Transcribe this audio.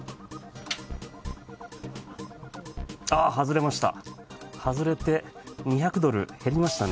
あ、外れました。